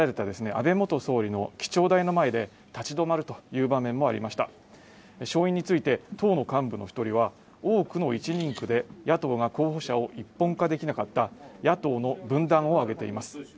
安倍元総理の記帳台の前で立ち止まるという場面もありました勝因について党の幹部の一人は多くの一人区で野党が候補者を１本化できなかった野党の分断を上げています